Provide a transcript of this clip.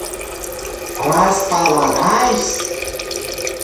Распа-ла-гайсь!